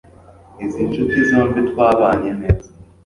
Izi nshuti zombi twabanye neza.